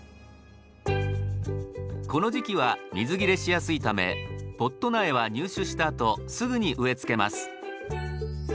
この時期は水切れしやすいためポット苗は入手したあとすぐに植えつけます。